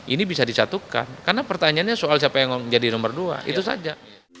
ini bisa disatukan karena pertanyaannya soal siapa yang jadi nomor dua itu saja